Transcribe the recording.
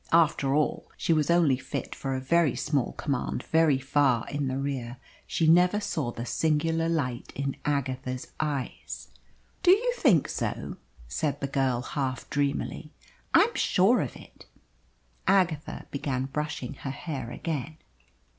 After all she was only fit for a very small command very far in the rear. She never saw the singular light in Agatha's eyes. "Do you think so?" said the girl, half dreamily. "I am sure of it." Agatha began brushing her hair again.